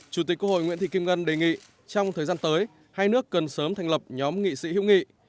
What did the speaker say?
chủ tịch quốc hội nguyễn thị kim ngân đề nghị trong thời gian tới hai nước cần sớm thành lập nhóm nghị sĩ hữu nghị